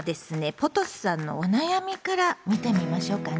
ポトスさんのお悩みから見てみましょうかね。